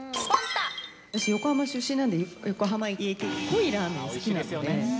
私、横浜出身なんで、横浜家系、濃いラーメン好きなので。